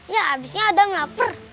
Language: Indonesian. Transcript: ya abisnya adam lapar